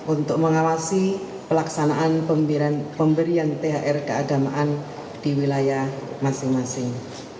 untuk mengawasi pelaksanaan pemberian thr keagamaan di wilayah masing masing